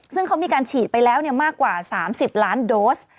ซึ่งเขามีการฉีดไปแล้วมากกว่า๓๐ล้านโดส